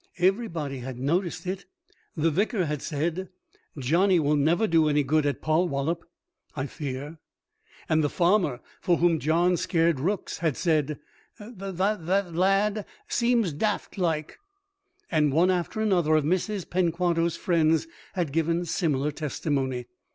Everybody had noticed it. The Vicar had said, "Johnny will never do any good at Polwollop, I fear"; and the farmer for whom John scared rooks had said, "Thiccy la ad seems daft like," and one after another of Mrs. Penquarto's friends had given similar testimony.